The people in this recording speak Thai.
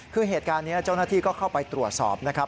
คือเหตุการณ์นี้เจ้าหน้าที่ก็เข้าไปตรวจสอบนะครับ